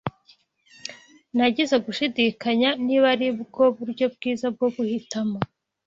Nagize gushidikanya niba aribwo buryo bwiza bwo guhitamo